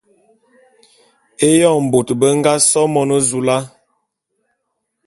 Éyoň bôt be nga so Monezula.